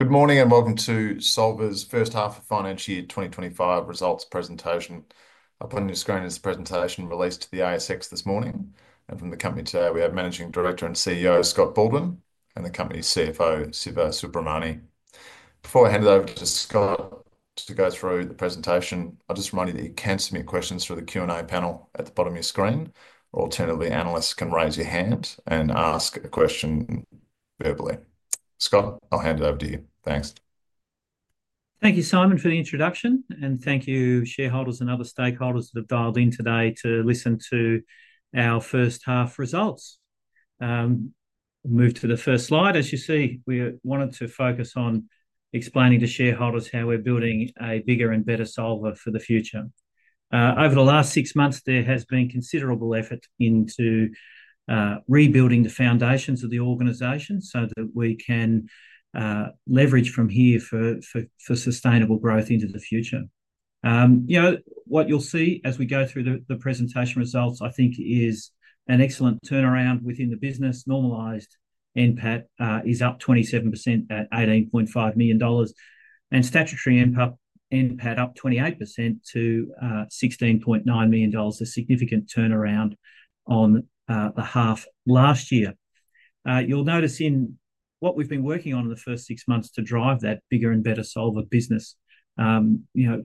Good morning and welcome to Solvar's First Half of Financial Year 2025 Results presentation. I'll put on your screen as the presentation released to the ASX this morning. From the company today, we have Managing Director and CEO Scott Baldwin and the company's CFO, Siva Subramani. Before I hand it over to Scott to go through the presentation, I'll just remind you that you can submit questions through the Q&A panel at the bottom of your screen. Alternatively, analysts can raise your hand and ask a question verbally. Scott, I'll hand it over to you. Thanks. Thank you, Simon, for the introduction. Thank you, shareholders and other stakeholders that have dialed in today to listen to our first half results. We'll move to the first slide. As you see, we wanted to focus on explaining to shareholders how we're building a bigger and better Solvar for the future. Over the last six months, there has been considerable effort into rebuilding the foundations of the organization so that we can leverage from here for sustainable growth into the future. You know, what you'll see as we go through the presentation results, I think, is an excellent turnaround within the business. Normalized NPAT is up 27% at 18.5 million dollars, and statutory NPAT up 28% to 16.9 million dollars. A significant turnaround on the half last year. You'll notice in what we've been working on in the first six months to drive that bigger and better Solvar business, you know,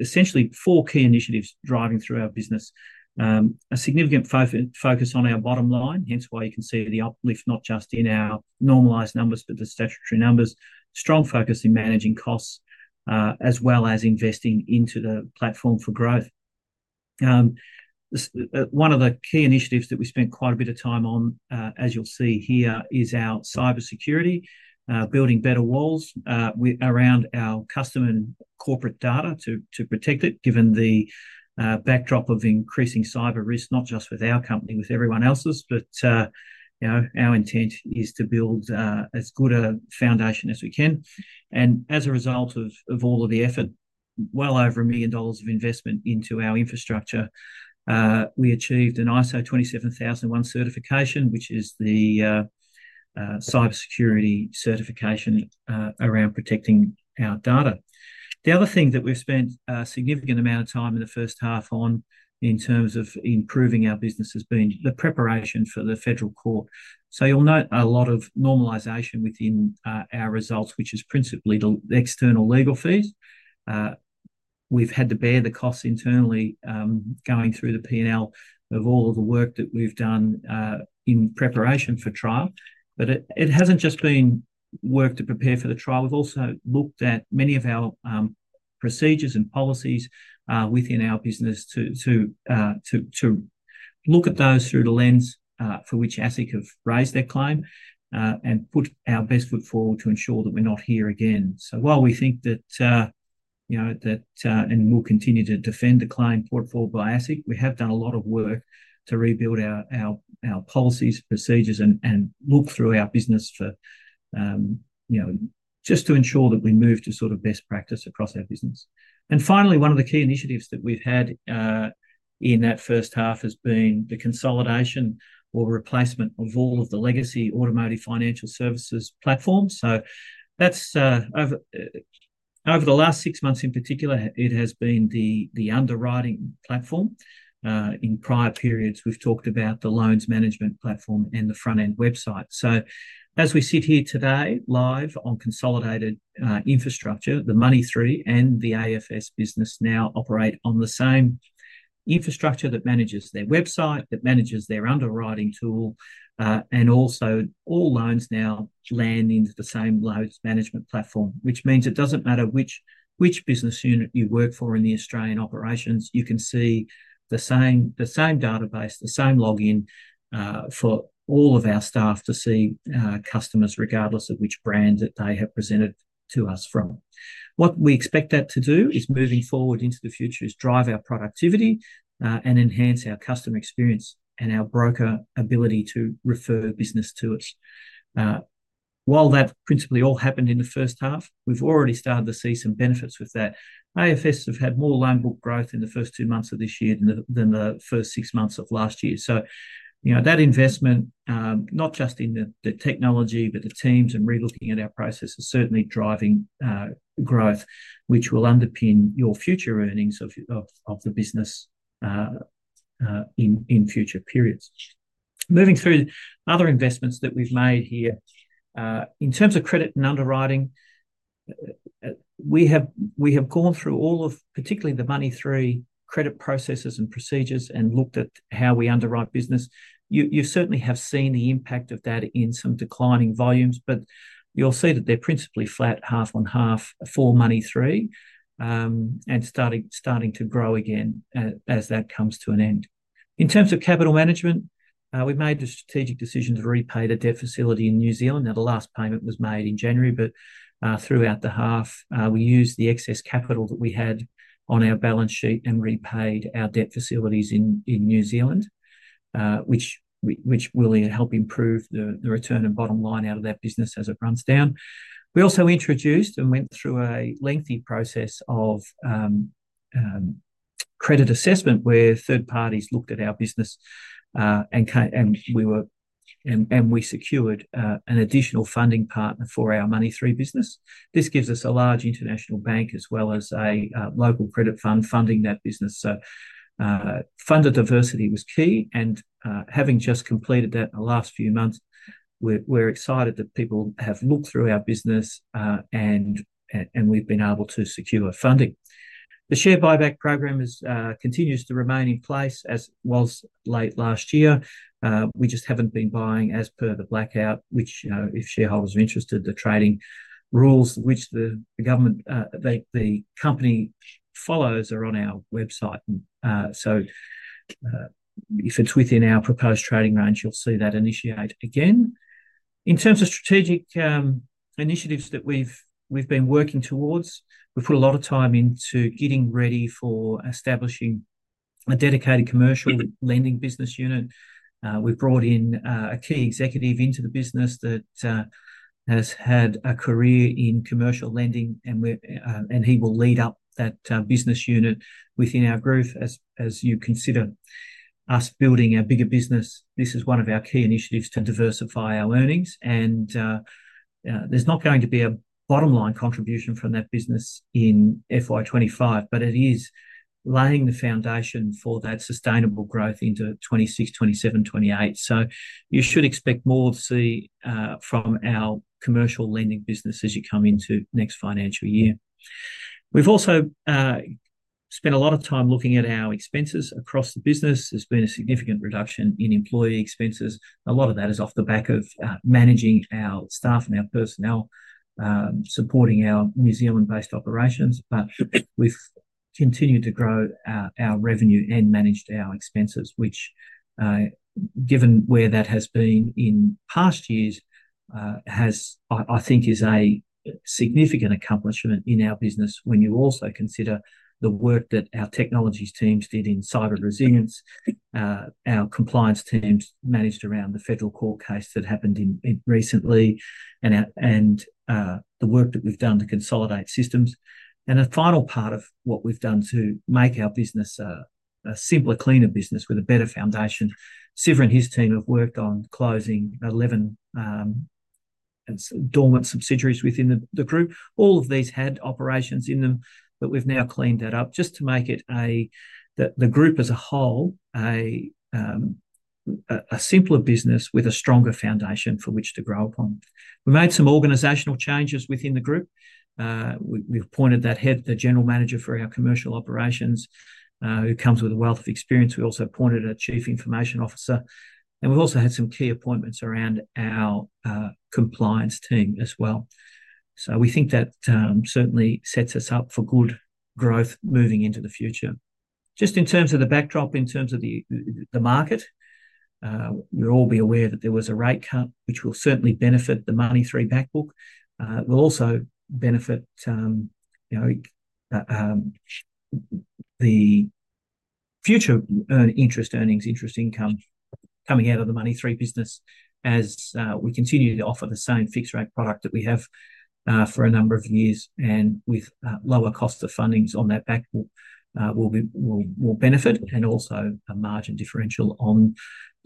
essentially four key initiatives driving through our business. A significant focus on our bottom line, hence why you can see the uplift not just in our normalised numbers, but the statutory numbers. Strong focus in managing costs as well as investing into the platform for growth. One of the key initiatives that we spent quite a bit of time on, as you'll see here, is our cybersecurity, building better walls around our customer and corporate data to protect it, given the backdrop of increasing cyber risk, not just with our company, with everyone else's, but our intent is to build as good a foundation as we can. As a result of all of the effort, well over 1 million dollars of investment into our infrastructure, we achieved an ISO 27001 certification, which is the cybersecurity certification around protecting our data. The other thing that we've spent a significant amount of time in the first half on in terms of improving our business has been the preparation for the Federal Court. You'll note a lot of normalisation within our results, which is principally the external legal fees. We've had to bear the costs internally going through the P&L of all of the work that we've done in preparation for trial. It hasn't just been work to prepare for the trial. We've also looked at many of our procedures and policies within our business to look at those through the lens for which ASIC have raised their claim and put our best foot forward to ensure that we're not here again. While we think that, you know, that and we'll continue to defend the claim put forward by ASIC, we have done a lot of work to rebuild our policies, procedures, and look through our business for, you know, just to ensure that we move to sort of best practice across our business. Finally, one of the key initiatives that we've had in that first half has been the consolidation or replacement of all of the legacy Automotive Financial Services platforms. Over the last six months in particular, it has been the underwriting platform. In prior periods, we've talked about the loans management platform and the front-end website. As we sit here today live on consolidated infrastructure, the Money3 and the AFS business now operate on the same infrastructure that manages their website, that manages their underwriting tool, and also all loans now land into the same loans management platform, which means it doesn't matter which business unit you work for in the Australian operations, you can see the same database, the same login for all of our staff to see customers regardless of which brand that they have presented to us from. What we expect that to do moving forward into the future is drive our productivity and enhance our customer experience and our broker ability to refer business to us. While that principally all happened in the first half, we've already started to see some benefits with that. AFS have had more loan book growth in the first two months of this year than the first six months of last year. You know, that investment, not just in the technology, but the teams and relooking at our process is certainly driving growth, which will underpin your future earnings of the business in future periods. Moving through other investments that we've made here. In terms of credit and underwriting, we have gone through all of particularly the Money3 credit processes and procedures and looked at how we underwrite business. You certainly have seen the impact of that in some declining volumes, but you'll see that they're principally flat, 1/2 on 1/2 for Money3 and starting to grow again as that comes to an end. In terms of capital management, we made the strategic decision to repay the debt facility in New Zealand. Now, the last payment was made in January, but throughout the 1/2, we used the excess capital that we had on our balance sheet and repaid our debt facilities in New Zealand, which will help improve the return and bottom line out of that business as it runs down. We also introduced and went through a lengthy process of credit assessment where third parties looked at our business and we secured an additional funding partner for our Money3 business. This gives us a large international bank as well as a local credit fund funding that business. Funded diversity was key. Having just completed that in the last few months, we're excited that people have looked through our business and we've been able to secure funding. The share buyback program continues to remain in place as was late last year. We just haven't been buying as per the blackout, which, you know, if shareholders are interested, the trading rules which the government, the company follows are on our website. If it's within our proposed trading range, you'll see that initiate again. In terms of strategic initiatives that we've been working towards, we've put a lot of time into getting ready for establishing a dedicated commercial lending business unit. We've brought in a key executive into the business that has had a career in commercial lending, and he will lead up that business unit within our group. As you consider us building a bigger business, this is one of our key initiatives to diversify our earnings. There's not going to be a bottom line contribution from that business in FY2025, but it is laying the foundation for that sustainable growth into 2026, 2027, 2028. You should expect more to see from our commercial lending business as you come into next financial year. We've also spent a lot of time looking at our expenses across the business. There's been a significant reduction in employee expenses. A lot of that is off the back of managing our staff and our personnel, supporting our New Zealand-based operations. We've continued to grow our revenue and managed our expenses, which, given where that has been in past years, I think is a significant accomplishment in our business when you also consider the work that our technology teams did in cyber resilience, our compliance teams managed around the Federal Court case that happened recently, and the work that we've done to consolidate systems. A final part of what we've done is to make our business a simpler, cleaner business with a better foundation. Siva and his team have worked on closing 11 dormant subsidiaries within the group. All of these had operations in them, but we've now cleaned that up just to make it, the group as a whole, a simpler business with a stronger foundation for which to grow upon. We made some organizational changes within the group. We've appointed that head, the General Manager for our commercial operations, who comes with a wealth of experience. We also appointed a Chief Information Officer. We have also had some key appointments around our compliance team as well. We think that certainly sets us up for good growth moving into the future. Just in terms of the backdrop, in terms of the market, you'll all be aware that there was a rate cut, which will certainly benefit the Money3 back book. It will also benefit the future interest earnings, interest income coming out of the Money3 business as we continue to offer the same fixed-rate product that we have for a number of years, and with lower costs of funding on that back book, will benefit and also a margin differential on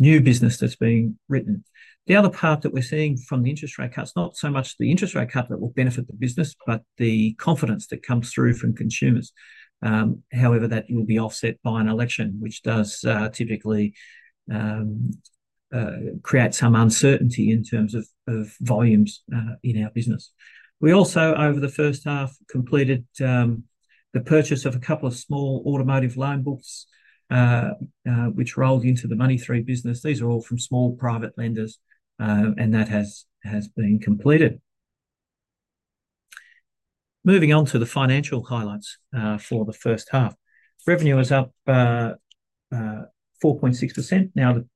new business that's being written. The other part that we're seeing from the interest rate cuts, not so much the interest rate cut that will benefit the business, but the confidence that comes through from consumers. However, that will be offset by an election, which does typically create some uncertainty in terms of volumes in our business. We also, over the first half, completed the purchase of a couple of small automotive loan books, which rolled into the Money3 business. These are all from small private lenders, and that has been completed. Moving on to the financial highlights for the first half. Revenue is up 4.6%. Now, the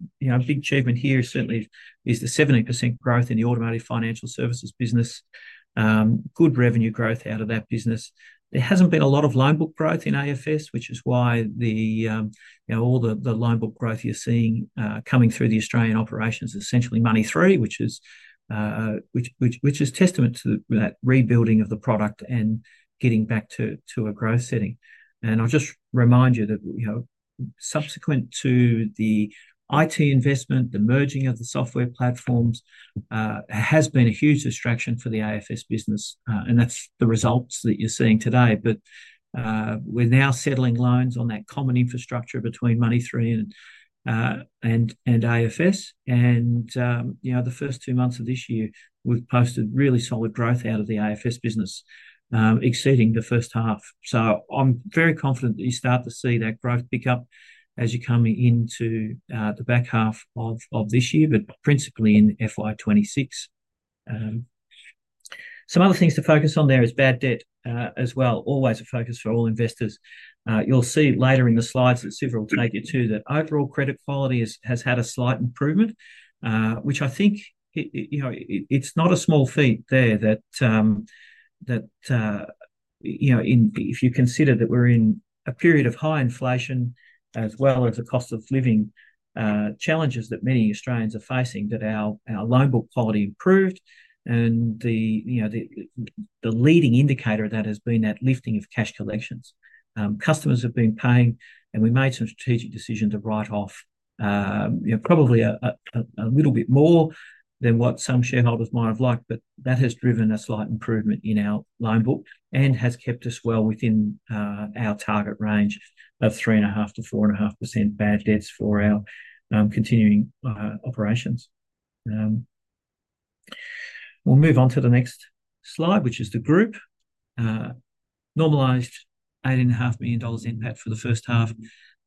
big achievement here certainly is the 70% growth in the Automotive Financial Services business. Good revenue growth out of that business. There has not been a lot of loan book growth in AFS, which is why all the loan book growth you are seeing coming through the Australian operations is essentially Money3, which is testament to that rebuilding of the product and getting back to a growth setting. I will just remind you that subsequent to the IT investment, the merging of the software platforms has been a huge distraction for the AFS business. That is the results that you are seeing today. We are now settling loans on that common infrastructure between Money3 and AFS. The first two months of this year, we've posted really solid growth out of the AFS business, exceeding the first half. I'm very confident that you start to see that growth pick up as you're coming into the back half of this year, but principally in FY2026. Some other things to focus on there is bad debt as well, always a focus for all investors. You'll see later in the slides that Siva will take you to that overall credit quality has had a slight improvement, which I think, you know, it's not a small feat there that, you know, if you consider that we're in a period of high inflation as well as the cost of living challenges that many Australians are facing, that our loan book quality improved. The leading indicator of that has been that lifting of cash collections. Customers have been paying, and we made some strategic decisions to write off, you know, probably a little bit more than what some shareholders might have liked, but that has driven a slight improvement in our loan book and has kept us well within our target range of 3.5%-4.5% bad debts for our continuing operations. We'll move on to the next slide, which is the group. Normalized 8.5 million dollars NPAT for the first half.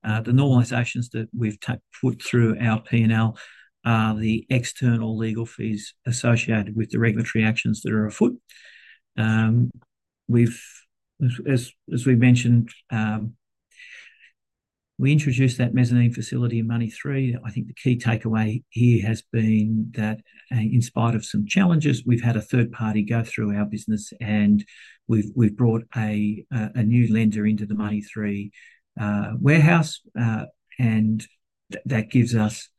The normalizations that we've put through our P&L are the external legal fees associated with the regulatory actions that are afoot. As we mentioned, we introduced that mezzanine facility in Money3. I think the key takeaway here has been that in spite of some challenges, we've had a third party go through our business, and we've brought a new lender into the Money3 warehouse, and that gives us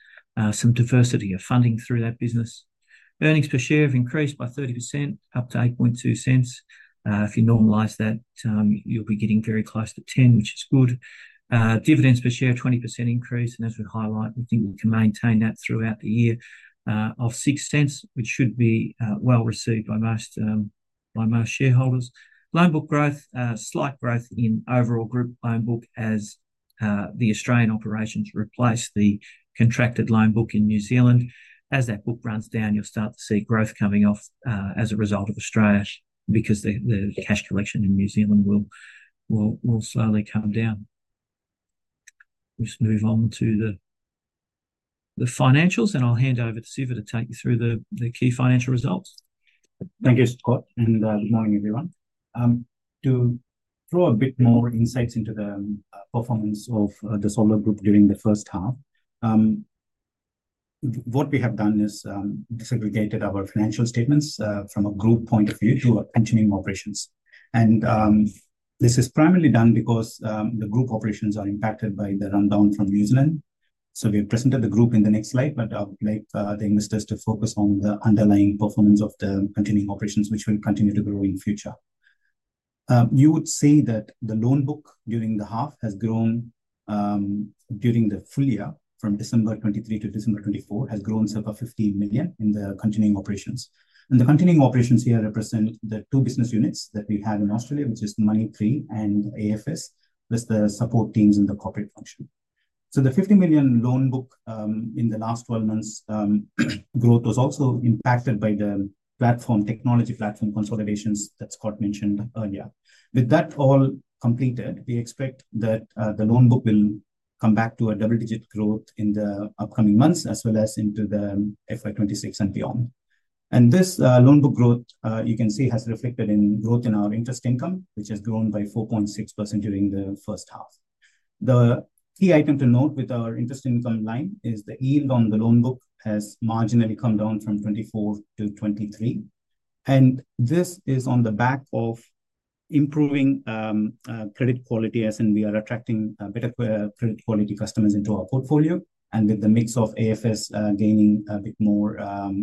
some diversity of funding through that business. Earnings per share have increased by 30%, up to 0.082. If you normalize that, you'll be getting very close to 0.10, which is good. Dividends per share, 20% increase. As we highlight, we think we can maintain that throughout the year of 0.06, which should be well received by most shareholders. Loan book growth, slight growth in overall group loan book as the Australian operations replace the contracted loan book in New Zealand. As that book runs down, you'll start to see growth coming off as a result of Australia's because the cash collection in New Zealand will slowly come down. Let's move on to the financials, and I'll hand over to Siva to take you through the key financial results. Thank you, Scott, and good morning, everyone. To throw a bit more insights into the performance of the Solvar Group during the first half, what we have done is segregated our financial statements from a group point of view to our continuing operations. This is primarily done because the group operations are impacted by the rundown from New Zealand. We have presented the group in the next slide, but I would like the investors to focus on the underlying performance of the continuing operations, which will continue to grow in the future. You would see that the loan book during the half has grown. During the full year from December 2023-December 2024, it has grown circa 15 million in the continuing operations. The continuing operations here represent the two business units that we have in Australia, which is Money3 and AFS, plus the support teams in the corporate function. The 15 million loan book in the last 12 months' growth was also impacted by the technology platform consolidations that Scott mentioned earlier. With that all completed, we expect that the loan book will come back to a double-digit growth in the upcoming months as well as into the fiscal year 2026 and beyond. This loan book growth, you can see, has reflected in growth in our interest income, which has grown by 4.6% during the first half. The key item to note with our interest income line is the yield on the loan book has marginally come down from 24%-23%. This is on the back of improving credit quality as we are attracting better credit quality customers into our portfolio. With the mix of AFS gaining a bit more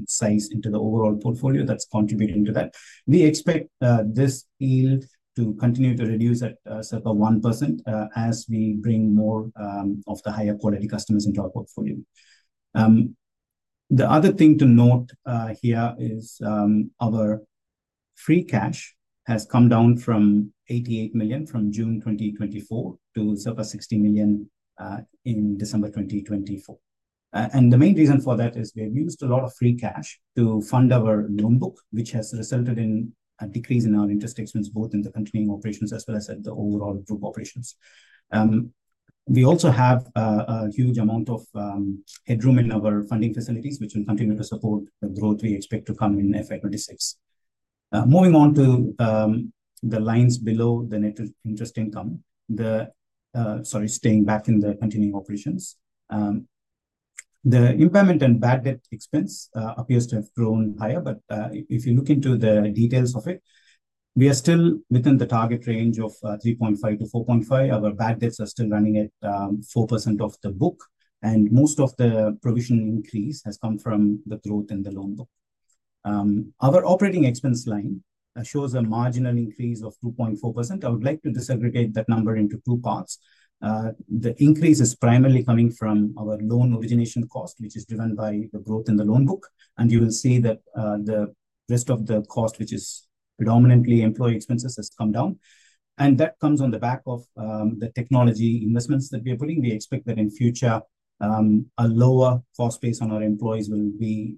size into the overall portfolio, that's contributing to that. We expect this yield to continue to reduce at circa 1% as we bring more of the higher quality customers into our portfolio. The other thing to note here is our free cash has come down from 88 million from June 2024 to circa 60 million in December 2024. The main reason for that is we have used a lot of free cash to fund our loan book, which has resulted in a decrease in our interest expense, both in the continuing operations as well as at the overall group operations. We also have a huge amount of headroom in our funding facilities, which will continue to support the growth we expect to come in FY2026. Moving on to the lines below the net interest income, sorry, staying back in the continuing operations. The impairment and bad debt expense appears to have grown higher, but if you look into the details of it, we are still within the target range of 3.5%-4.5%. Our bad debts are still running at 4% of the book, and most of the provision increase has come from the growth in the loan book. Our operating expense line shows a marginal increase of 2.4%. I would like to disaggregate that number into two parts. The increase is primarily coming from our loan origination cost, which is driven by the growth in the loan book. You will see that the rest of the cost, which is predominantly employee expenses, has come down. That comes on the back of the technology investments that we are putting. We expect that in future, a lower cost base on our employees will be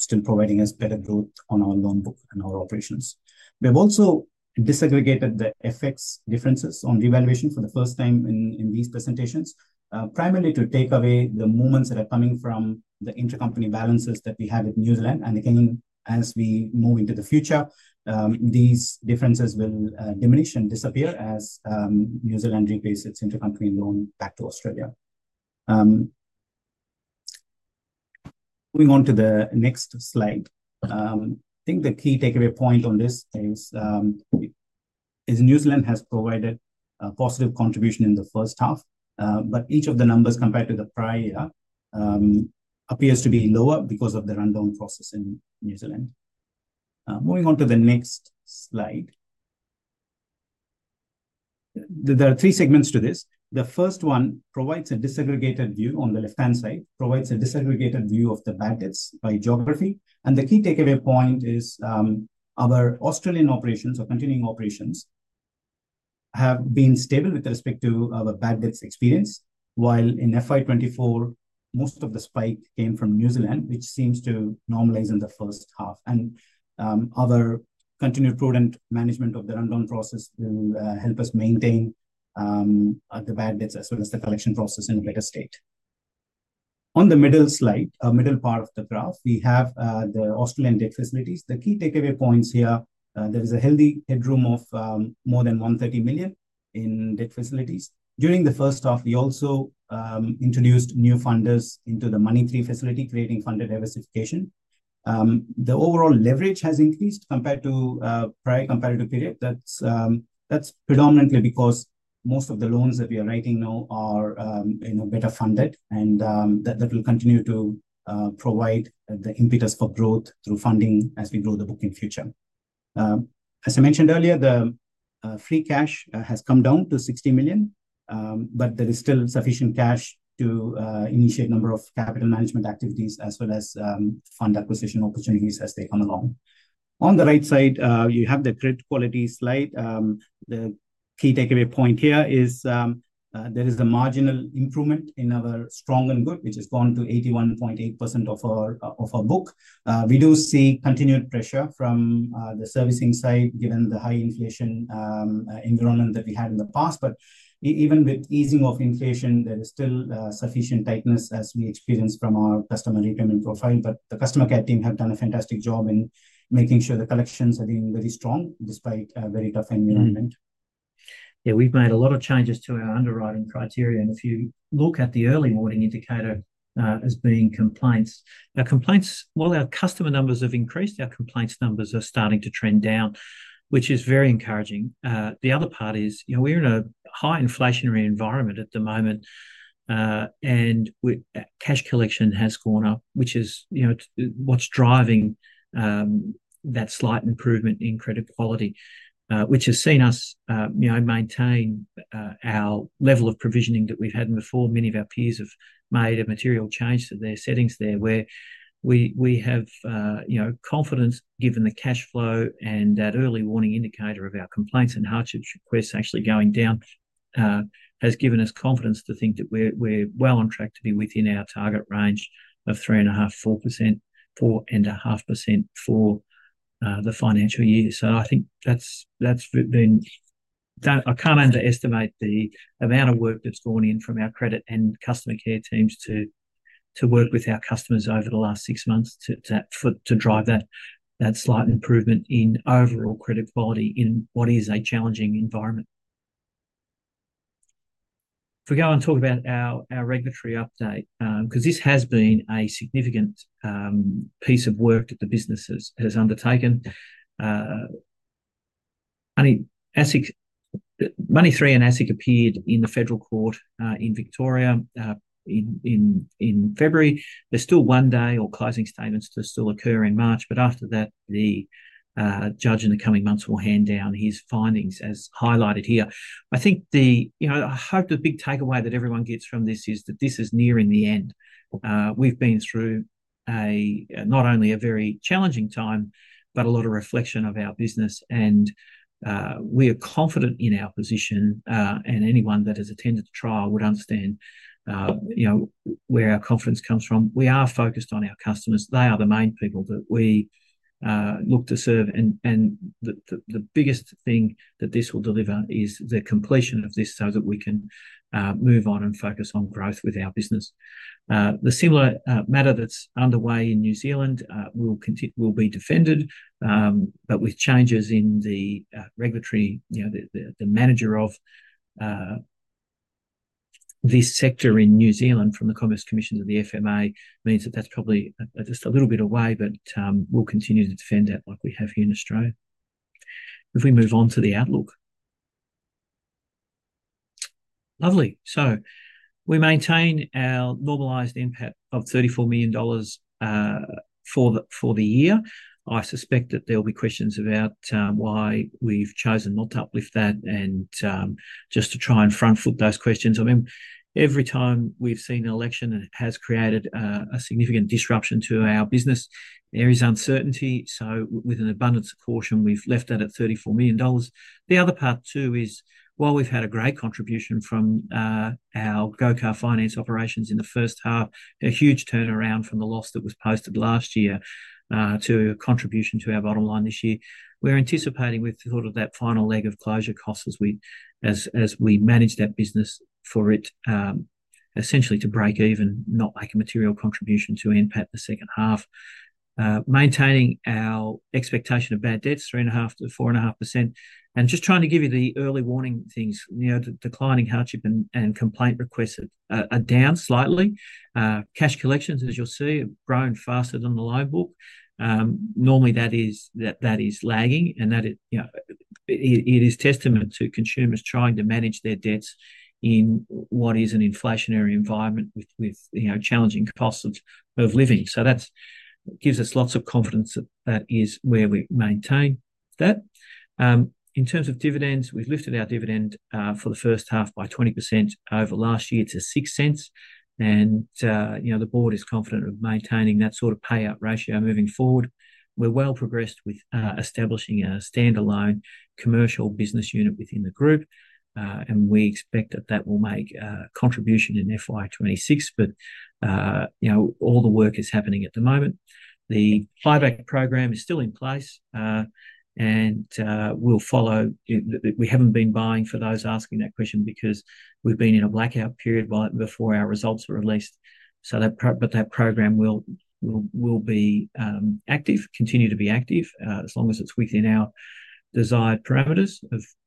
still providing us better growth on our loan book and our operations. We have also disaggregated the FX differences on revaluation for the first time in these presentations, primarily to take away the movements that are coming from the intercompany balances that we have in New Zealand. Again, as we move into the future, these differences will diminish and disappear as New Zealand replace its intercompany loan back to Australia. Moving on to the next slide. I think the key takeaway point on this is New Zealand has provided a positive contribution in the first half, but each of the numbers compared to the prior year appears to be lower because of the rundown process in New Zealand. Moving on to the next slide. There are three segments to this. The first one provides a disaggregated view on the left-hand side, provides a disaggregated view of the bad debts by geography. The key takeaway point is our Australian operations or continuing operations have been stable with respect to our bad debts experience, while in FY2024, most of the spike came from New Zealand, which seems to normalize in the first half. Our continued prudent management of the rundown process will help us maintain the bad debts as well as the collection process in a better state. On the middle slide, middle part of the graph, we have the Australian debt facilities. The key takeaway points here, there is a healthy headroom of more than 130 million in debt facilities. During the first half, we also introduced new funders into the Money3 facility, creating funder diversification. The overall leverage has increased compared to prior comparative period. That's predominantly because most of the loans that we are writing now are better funded, and that will continue to provide the impetus for growth through funding as we grow the book in future. As I mentioned earlier, the free cash has come down to 60 million, but there is still sufficient cash to initiate a number of capital management activities as well as fund acquisition opportunities as they come along. On the right side, you have the credit quality slide. The key takeaway point here is there is a marginal improvement in our strong and good, which has gone to 81.8% of our book. We do see continued pressure from the servicing side given the high inflation environment that we had in the past. Even with easing of inflation, there is still sufficient tightness as we experience from our customer repayment profile. The customer care team have done a fantastic job in making sure the collections are being very strong despite a very tough environment. Yeah, we've made a lot of changes to our underwriting criteria. If you look at the early warning indicator as being complaints, while our customer numbers have increased, our complaints numbers are starting to trend down, which is very encouraging. The other part is we're in a high inflationary environment at the moment, and cash collection has gone up, which is what's driving that slight improvement in credit quality, which has seen us maintain our level of provisioning that we've had before. Many of our peers have made a material change to their settings there, where we have confidence given the cash flow and that early warning indicator of our complaints and hardship requests actually going down has given us confidence to think that we're well on track to be within our target range of 3.5%-4.5%, for the financial year. I think that's been—I can't underestimate the amount of work that's gone in from our credit and customer care teams to work with our customers over the last six months to drive that slight improvement in overall credit quality in what is a challenging environment. If we go and talk about our regulatory update, because this has been a significant piece of work that the business has undertaken. Money3 and ASIC appeared in the Federal Court in Victoria in February. There is still one day or closing statements to still occur in March, but after that, the judge in the coming months will hand down his findings as highlighted here. I think the—I hope the big takeaway that everyone gets from this is that this is nearing the end. We have been through not only a very challenging time, but a lot of reflection of our business, and we are confident in our position, and anyone that has attended the trial would understand where our confidence comes from. We are focused on our customers. They are the main people that we look to serve, and the biggest thing that this will deliver is the completion of this so that we can move on and focus on growth with our business. The similar matter that's underway in New Zealand will be defended, but with changes in the regulatory—the manager of this sector in New Zealand from the Commerce Commission to the FMA means that that's probably just a little bit away, but we'll continue to defend that like we have here in Australia. If we move on to the outlook. Lovely. We maintain our normalised NPAT of 34 million dollars for the year. I suspect that there will be questions about why we've chosen not to uplift that and just to try and front foot those questions. I mean, every time we've seen an election, it has created a significant disruption to our business. There is uncertainty. With an abundance of caution, we've left that at 34 million dollars. The other part, too, is while we've had a great contribution from our Go Car Finance operations in the first half, a huge turnaround from the loss that was posted last year to a contribution to our bottom line this year. We're anticipating with sort of that final leg of closure costs as we manage that business for it essentially to break even, not make a material contribution to impact the second half. Maintaining our expectation of bad debt, 3.5%-4.5%. Just trying to give you the early warning things, declining hardship and complaint requests are down slightly. Cash collections, as you'll see, have grown faster than the loan book. Normally, that is lagging, and it is testament to consumers trying to manage their debts in what is an inflationary environment with challenging costs of living. That gives us lots of confidence that that is where we maintain that. In terms of dividends, we've lifted our dividend for the first half by 20% over last year to 0.06. The board is confident of maintaining that sort of payout ratio moving forward. We're well progressed with establishing a standalone commercial business unit within the group, and we expect that that will make a contribution in FY2026, but all the work is happening at the moment. The buy-back program is still in place, and we'll follow. We haven't been buying for those asking that question because we've been in a blackout period before our results were released. That program will be active, continue to be active as long as it's within our desired parameters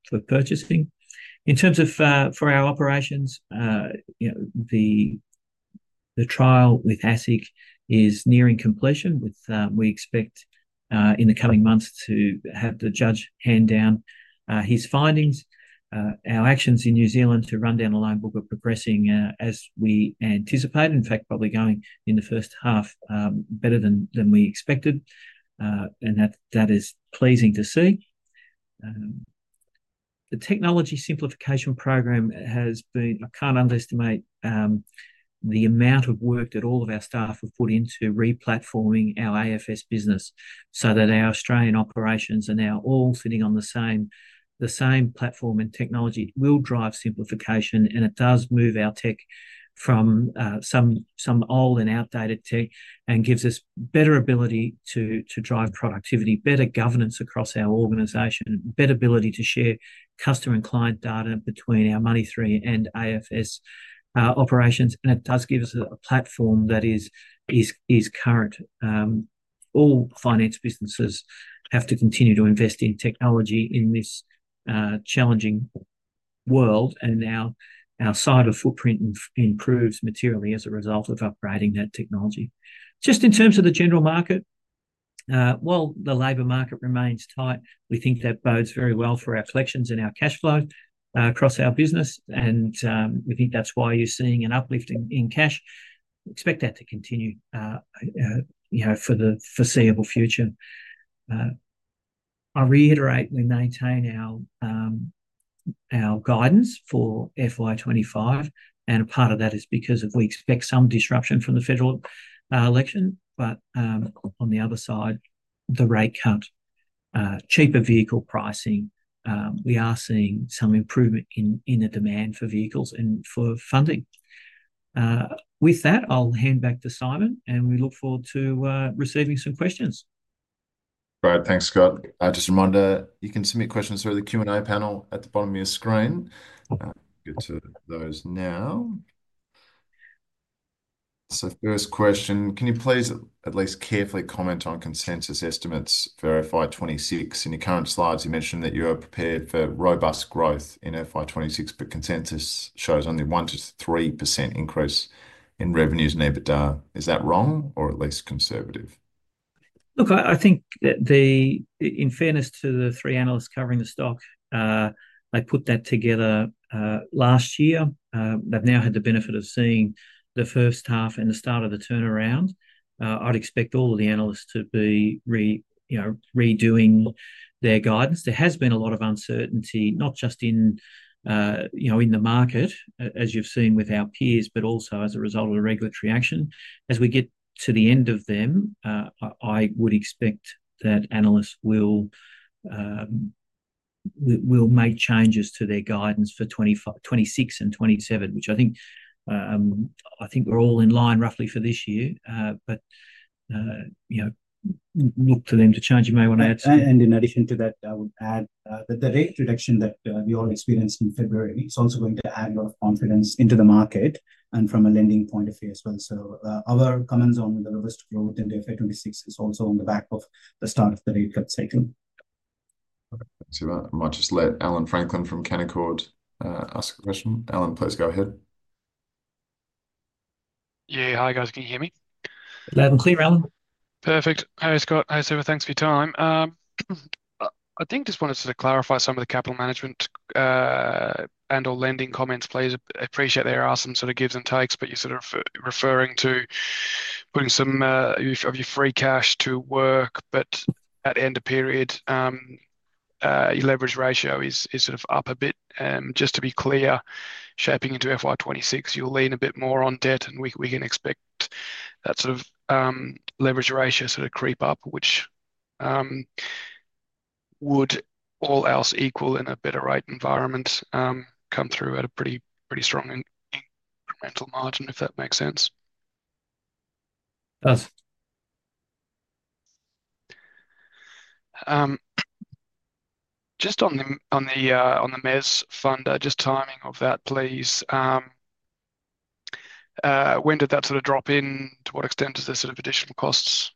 for purchasing. In terms of our operations, the trial with ASIC is nearing completion, with we expect in the coming months to have the judge hand down his findings. Our actions in New Zealand to run down the loan book are progressing as we anticipate, in fact, probably going in the first half better than we expected, and that is pleasing to see. The technology simplification program has been—I can't underestimate the amount of work that all of our staff have put into replatforming our AFS business so that our Australian operations are now all sitting on the same platform and technology will drive simplification. It does move our tech from some old and outdated tech and gives us better ability to drive productivity, better governance across our organization, better ability to share customer and client data between our Money3 and AFS operations. It does give us a platform that is current. All finance businesses have to continue to invest in technology in this challenging world, and our cyber footprint improves materially as a result of upgrading that technology. Just in terms of the general market, while the labor market remains tight, we think that bodes very well for our collections and our cash flows across our business, and we think that's why you're seeing an uplift in cash. Expect that to continue for the foreseeable future. I reiterate, we maintain our guidance for FY2025, and part of that is because we expect some disruption from the federal election. On the other side, the rate cut, cheaper vehicle pricing, we are seeing some improvement in the demand for vehicles and for funding. With that, I'll hand back to Simon, and we look forward to receiving some questions. Great. Thanks, Scott. Just a reminder, you can submit questions through the Q&A panel at the bottom of your screen. Get to those now. First question, can you please at least carefully comment on consensus estimates for FY2026? In your current slides, you mentioned that you are prepared for robust growth in FY2026, but consensus shows only 1%-3% increase in revenues in EBITDA. Is that wrong or at least conservative? Look, I think that in fairness to the three analysts covering the stock, they put that together last year. They've now had the benefit of seeing the first half and the start of the turnaround. I'd expect all of the analysts to be redoing their guidance. There has been a lot of uncertainty, not just in the market, as you've seen with our peers, but also as a result of the regulatory action. As we get to the end of them, I would expect that analysts will make changes to their guidance for 2026 and 2027, which I think we're all in line roughly for this year. Look to them to change. You may want to add something. In addition to that, I would add that the rate reduction that we all experienced in February is also going to add a lot of confidence into the market and from a lending point of view as well. Our comments on the reverse growth in FY2026 are also on the back of the start of the rate cut cycle. Thanks for that. I might just let Allan Franklin from Canaccord ask a question. Alan, please go ahead. Yeah. Hi, guys. Can you hear me? Loud and clear, Allan. Perfect. Hey, Scott. Hey, Siva. Thanks for your time. I think I just wanted to clarify some of the capital management and/or lending comments. Please appreciate there are some sort of gives and takes, but you're sort of referring to putting some of your free cash to work, but at the end of the period, your leverage ratio is sort of up a bit. Just to be clear, shaping into FY2026, you'll lean a bit more on debt, and we can expect that sort of leverage ratio sort of creep up, which would, all else equal, in a better rate environment, come through at a pretty strong incremental margin, if that makes sense. Does. Just on the mez fund, just timing of that, please. When did that sort of drop in? To what extent is there sort of additional costs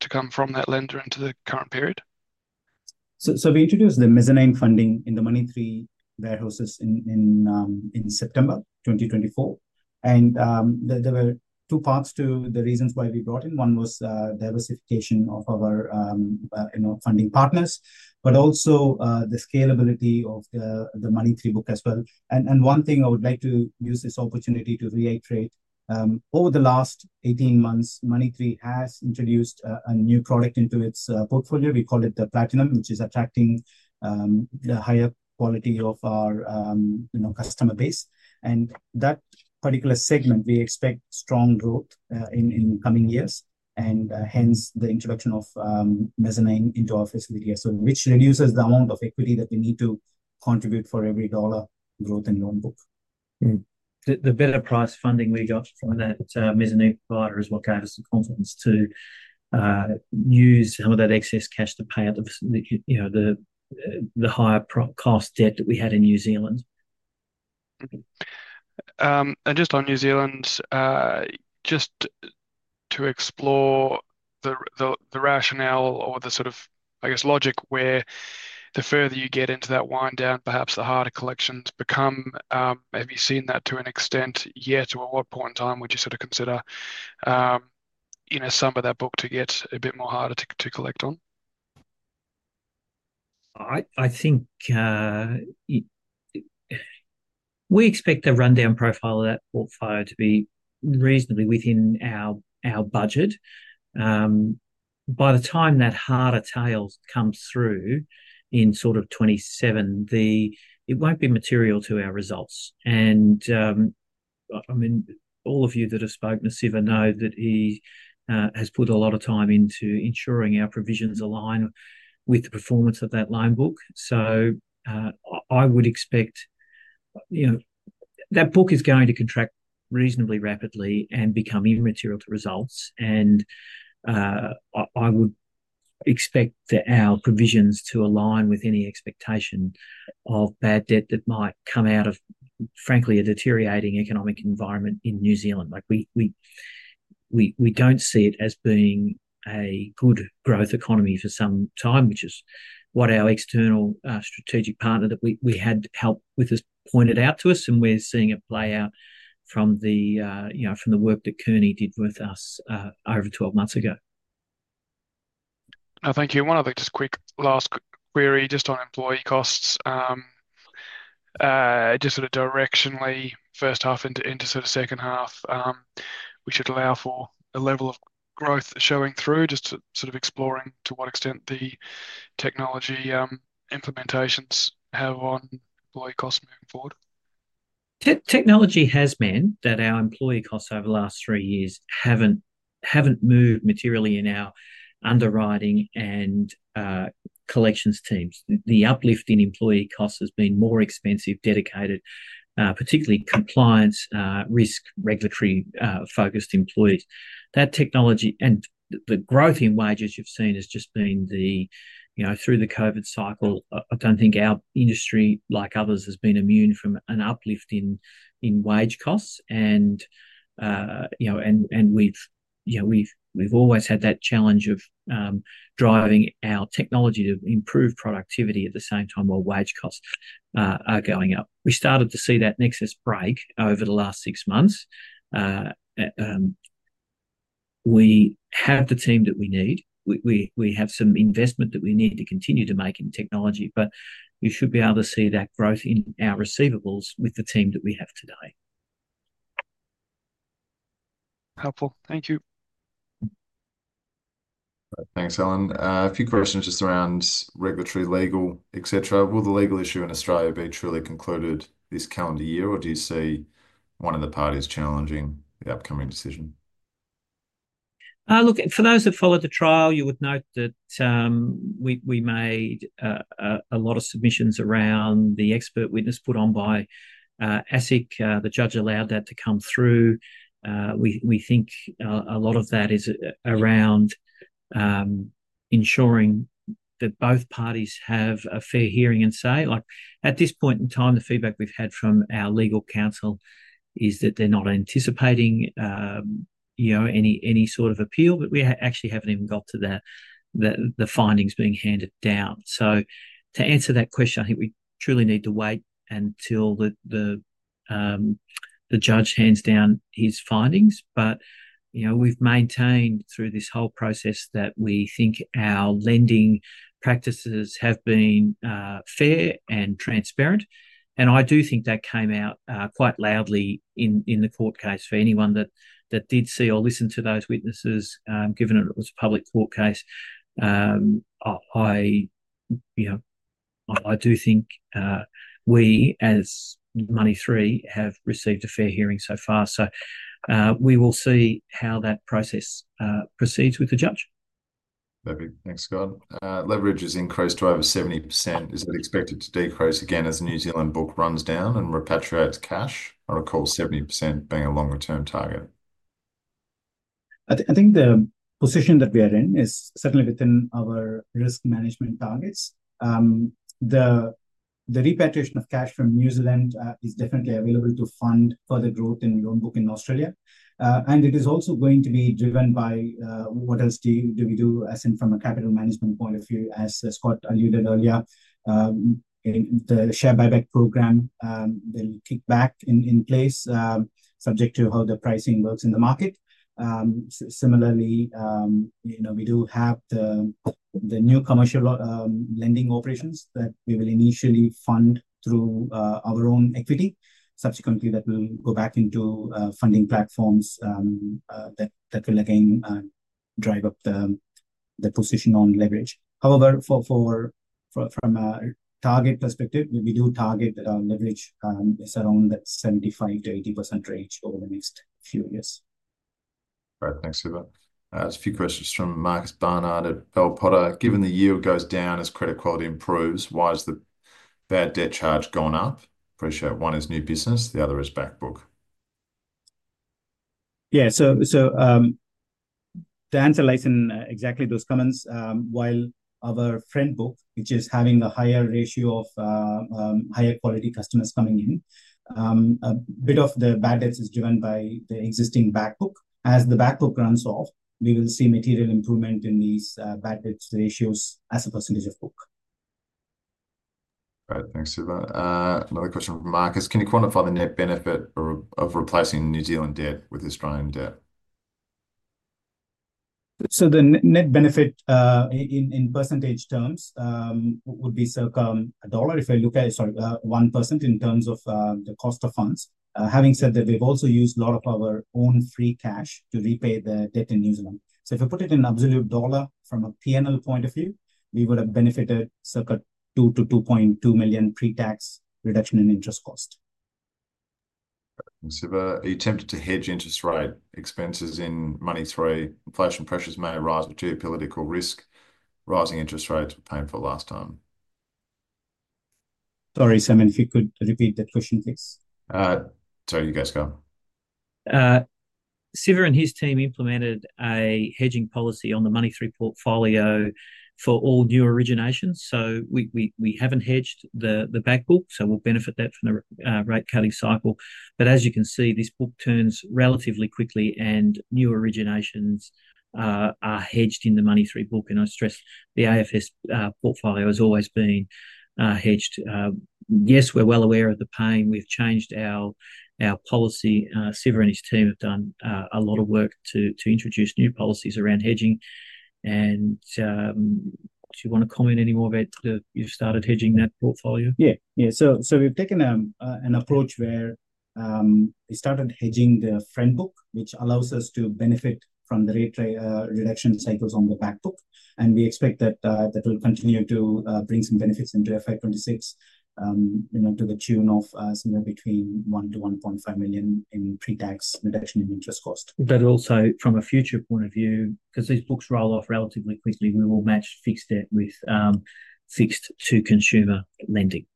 to come from that lender into the current period? We introduced the mezzanine funding in the Money3 warehouses in September 2024. There were two parts to the reasons why we brought in. One was diversification of our funding partners, but also the scalability of the Money3 book as well. One thing I would like to use this opportunity to reiterate, over the last 18 months, Money3 has introduced a new product into its portfolio. We call it the Platinum, which is attracting the higher quality of our customer base. That particular segment, we expect strong growth in coming years, and hence the introduction of mezzanine into our facility as well, which reduces the amount of equity that we need to contribute for every dollar growth in loan book. The better price funding we got from that mezzanine provider has given us the confidence to use some of that excess cash to pay out the higher cost debt that we had in New Zealand. Just on New Zealand, just to explore the rationale or the sort of, I guess, logic where the further you get into that wind down, perhaps the harder collections become. Have you seen that to an extent yet? At what point in time would you sort of consider some of that book to get a bit more harder to collect on? I think we expect the rundown profile of that portfolio to be reasonably within our budget. By the time that harder tail comes through in 2027, it will not be material to our results. I mean, all of you that have spoken to Siva know that he has put a lot of time into ensuring our provisions align with the performance of that loan book. I would expect that book is going to contract reasonably rapidly and become immaterial to results. I would expect our provisions to align with any expectation of bad debt that might come out of, frankly, a deteriorating economic environment in New Zealand. We do not see it as being a good growth economy for some time, which is what our external strategic partner that we had help with has pointed out to us, and we are seeing it play out from the work that Kearney did with us over 12 months ago. Thank you. One other just quick last query just on employee costs. Just sort of directionally, first half into sort of second half, we should allow for a level of growth showing through, just sort of exploring to what extent the technology implementations have on employee costs moving forward. Technology has meant that our employee costs over the last three years have not moved materially in our underwriting and collections teams. The uplift in employee costs has been more expensive, dedicated, particularly compliance, risk, regulatory-focused employees. That technology and the growth in wages you've seen has just been through the COVID cycle. I don't think our industry, like others, has been immune from an uplift in wage costs. We've always had that challenge of driving our technology to improve productivity at the same time while wage costs are going up. We started to see that nexus break over the last six months. We have the team that we need. We have some investment that we need to continue to make in technology, but you should be able to see that growth in our receivables with the team that we have today. Helpful. Thank you. Thanks, Allan. A few questions just around regulatory, legal, etc. Will the legal issue in Australia be truly concluded this calendar year, or do you see one of the parties challenging the upcoming decision? Look, for those who followed the trial, you would note that we made a lot of submissions around the expert witness put on by ASIC. The judge allowed that to come through. We think a lot of that is around ensuring that both parties have a fair hearing and say. At this point in time, the feedback we've had from our legal counsel is that they're not anticipating any sort of appeal, but we actually haven't even got to the findings being handed down. To answer that question, I think we truly need to wait until the judge hands down his findings. We've maintained through this whole process that we think our lending practices have been fair and transparent. I do think that came out quite loudly in the court case. For anyone that did see or listen to those witnesses, given that it was a public court case, I do think we, as Money3, have received a fair hearing so far. We will see how that process proceeds with the judge. Perfect. Thanks, Scott. Leverage has increased to over 70%. Is it expected to decrease again as the New Zealand book runs down and repatriates cash? I recall 70% being a longer-term target. I think the position that we are in is certainly within our risk management targets. The repatriation of cash from New Zealand is definitely available to fund further growth in loan book in Australia. It is also going to be driven by what else do we do, as in from a capital management point of view, as Scott alluded earlier, the share buyback program. They'll kick back in place, subject to how the pricing works in the market. Similarly, we do have the new commercial lending operations that we will initially fund through our own equity. Subsequently, that will go back into funding platforms that will again drive up the position on leverage. However, from a target perspective, we do target that our leverage is around that 75%-80% range over the next few years. Great. Thanks, Siva. A few questions from Marcus Barnard at Bell Potter. Given the yield goes down as credit quality improves, why has the bad debt charge gone up? Appreciate one is new business. The other is back book. Yeah. To answer exactly those comments, while our front book, which is having a higher ratio of higher quality customers coming in, a bit of the bad debts is driven by the existing back book. As the back book runs off, we will see material improvement in these bad debt ratios as a percentage of book. Great. Thanks, Siva. Another question from Marcus. Can you quantify the net benefit of replacing New Zealand debt with Australian debt? The net benefit in percentage terms would be circa 1% in terms of the cost of funds. Having said that, we've also used a lot of our own free cash to repay the debt in New Zealand. If you put it in absolute dollar from a P&L point of view, we would have benefited circa 2 million-2.2 million pre-tax reduction in interest cost. Thanks, Siva. Are you tempted to hedge interest rate expenses in Money3? Inflation pressures may arise with geopolitical risk. Rising interest rates were painful last time. Sorry, Simon, if you could repeat that question, please. Sorry, you guys, go. Siva and his team implemented a hedging policy on the Money3 portfolio for all new originations. We have not hedged the back book, so we will benefit from the rate cutting cycle. As you can see, this book turns relatively quickly, and new originations are hedged in the Money3 book. I stress the AFS portfolio has always been hedged. Yes, we are well aware of the pain. We have changed our policy. Siva and his team have done a lot of work to introduce new policies around hedging. Do you want to comment any more about you've started hedging that portfolio? Yeah. Yeah. We have taken an approach where we started hedging the front book, which allows us to benefit from the rate reduction cycles on the back book. We expect that will continue to bring some benefits into FY2026 to the tune of somewhere between 1 million-1.5 million in pre-tax reduction in interest cost. Also from a future point of view, because these books roll off relatively quickly, we will match fixed debt with fixed-to-consumer lending.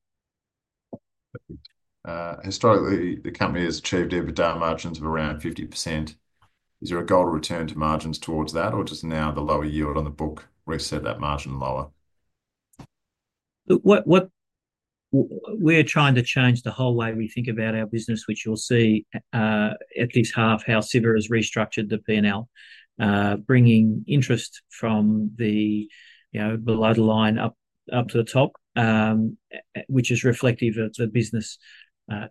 Historically, the company has achieved EBITDA margins of around 50%. Is there a goal to return to margins towards that, or just now the lower yield on the book reset that margin lower? We're trying to change the whole way we think about our business, which you'll see at least 1/2 how Siva has restructured the P&L, bringing interest from the below the line up to the top, which is reflective of the business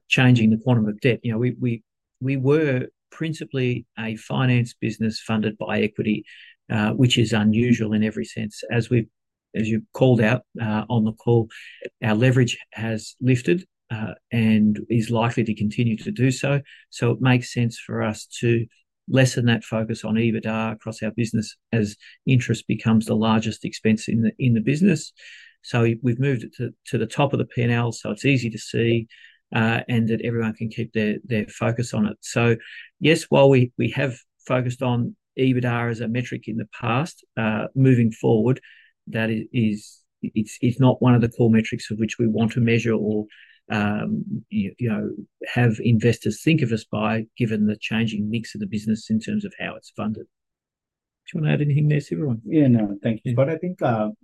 changing the quantum of debt. We were principally a finance business funded by equity, which is unusual in every sense. As you called out on the call, our leverage has lifted and is likely to continue to do so. It makes sense for us to lessen that focus on EBITDA across our business as interest becomes the largest expense in the business. We have moved it to the top of the P&L so it's easy to see and that everyone can keep their focus on it. Yes, while we have focused on EBITDA as a metric in the past, moving forward, it's not one of the core metrics of which we want to measure or have investors think of us by given the changing mix of the business in terms of how it's funded. Do you want to add anything there, Siva? Yeah, no, thank you. I think I'll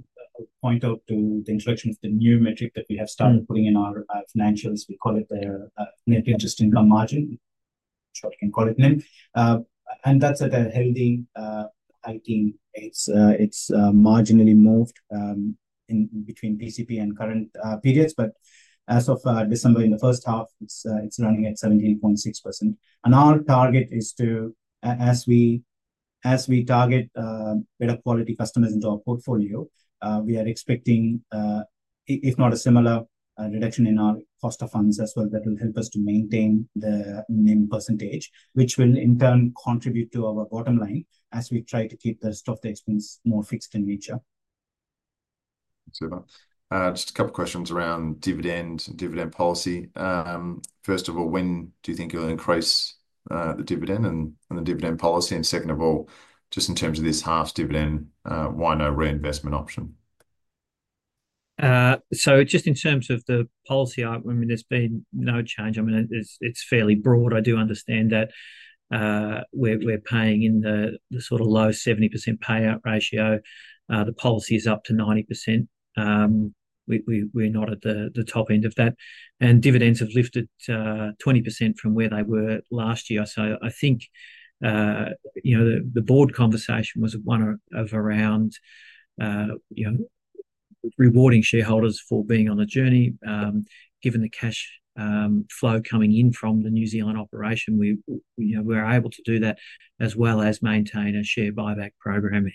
point out the introduction of the new metric that we have started putting in our financials. We call it the net interest income margin. I'm not sure if you can call it net. That's at a healthy 18%. It's marginally moved between PCP and current periods. As of December in the first half, it's running at 17.6%. Our target is to, as we target better quality customers into our portfolio, we are expecting, if not a similar reduction in our cost of funds as well, that will help us to maintain the net percentage, which will in turn contribute to our bottom line as we try to keep the rest of the expense more fixed in nature. Thanks, Siva. Just a couple of questions around dividend policy. First of all, when do you think you'll increase the dividend and the dividend policy? Second of all, just in terms of this half dividend, why no reinvestment option? Just in terms of the policy, I mean, there's been no change. I mean, it's fairly broad. I do understand that we're paying in the sort of low 70% payout ratio. The policy is up to 90%. We're not at the top end of that. Dividends have lifted 20% from where they were last year. I think the board conversation was one of around rewarding shareholders for being on the journey. Given the cash flow coming in from the New Zealand operation, we were able to do that as well as maintain a share buyback program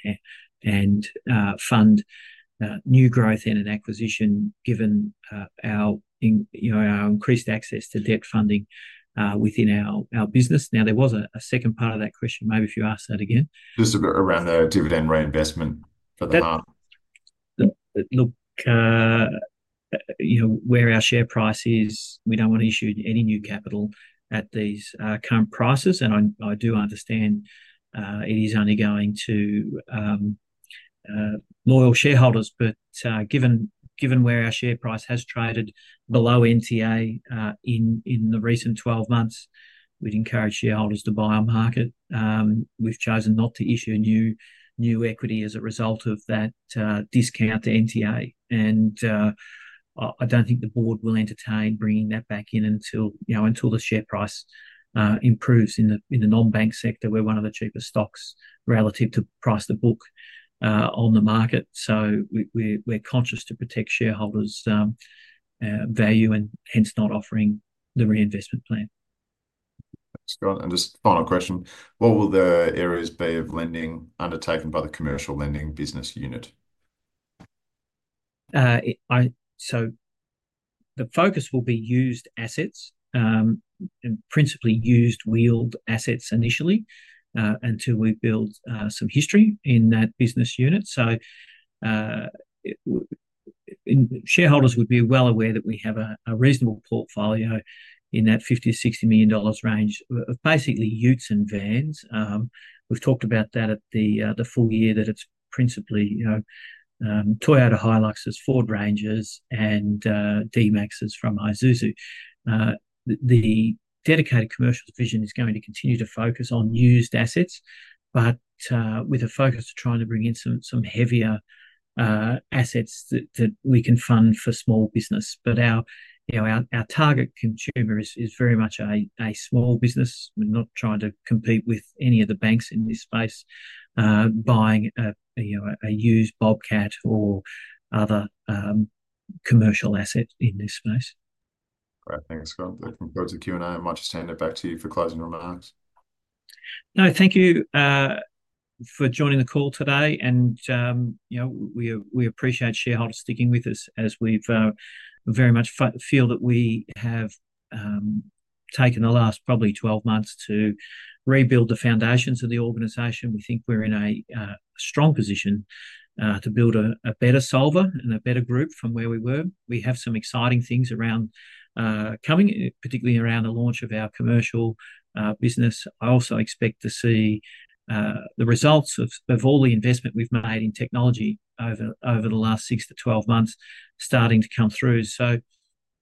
and fund new growth in an acquisition given our increased access to debt funding within our business. There was a second part of that question. Maybe if you ask that again. Just around the dividend reinvestment for the market. Look, where our share price is, we do not want to issue any new capital at these current prices. I do understand it is only going to loyal shareholders. Given where our share price has traded below NTA in the recent 12 months, we would encourage shareholders to buy our market. We've chosen not to issue new equity as a result of that discount to NTA. I don't think the board will entertain bringing that back in until the share price improves in the non-bank sector, where we are one of the cheapest stocks relative to price to book on the market. We are conscious to protect shareholders' value and hence not offering the reinvestment plan. Thanks, Scott. Just final question. What will the areas be of lending undertaken by the commercial lending business unit? The focus will be used assets, principally used wheeled assets initially until we build some history in that business unit. Shareholders would be well aware that we have a reasonable portfolio in that 50 million-60 million dollars range of basically utes and vans. We have talked about that at the full year that it is principally Toyota Hiluxes, Ford Rangers, and D-MAXs from Isuzu. The dedicated commercial division is going to continue to focus on used assets, with a focus to try and bring in some heavier assets that we can fund for small business. Our target consumer is very much a small business. We're not trying to compete with any of the banks in this space, buying a used Bobcat or other commercial asset in this space. Great. Thanks, Scott. That concludes the Q&A. I might just hand it back to you for closing remarks. No, thank you for joining the call today. We appreciate shareholders sticking with us as we very much feel that we have taken the last probably 12 months to rebuild the foundations of the organization. We think we're in a strong position to build a better Solvar and a better group from where we were. We have some exciting things coming, particularly around the launch of our commercial business. I also expect to see the results of all the investment we've made in technology over the last six months-12 months starting to come through.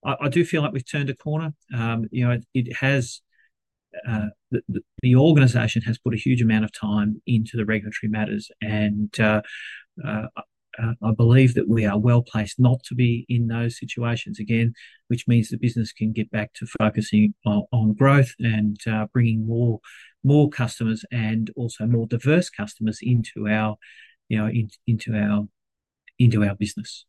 I do feel like we've turned a corner. The organization has put a huge amount of time into the regulatory matters. I believe that we are well placed not to be in those situations again, which means the business can get back to focusing on growth and bringing more customers and also more diverse customers into our business.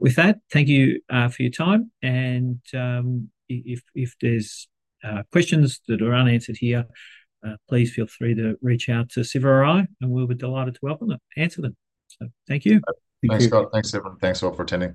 With that, thank you for your time. If there are questions that are unanswered here, please feel free to reach out to Siva or I, and we'll be delighted to help answer them. Thank you. Thanks, Scott. Thanks, Simon. Thanks all for attending.